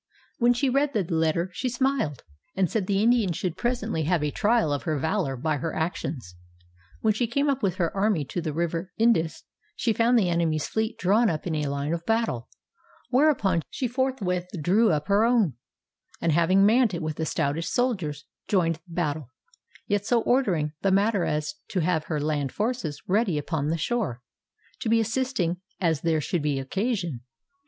When she read the letter, she smiled, and said the Indian should presently have a trial of her valor by her actions. When she came up with her army to the river Indus, she found the enemy's fleet drawn up in a line of battle; whereupon she forthwith drew up her own, and having manned it with the stoutest soldiers, joined battle, yet so ordering the matter as to have her land forces ready upon the shore, to be assisting as there should be occasion.